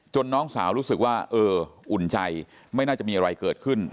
น้องสาวรู้สึกว่าเอออุ่นใจไม่น่าจะมีอะไรเกิดขึ้น